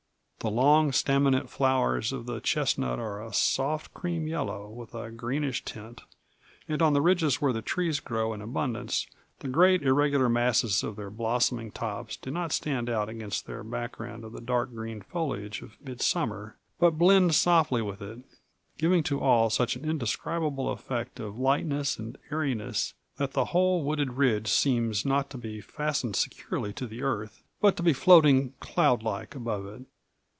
The long staminate flowers of the chestnut are a soft cream yellow with a greenish tint; and on the ridges where the trees grow in abundance the great irregular masses of their blossoming tops do not stand out against their background of the dark green foliage of midsummer, but blend softly with it, giving to all such an indescribable effect of lightness and airiness that the whole wooded ridge seems not to be fastened securely to the earth, but to be floating cloud like above it.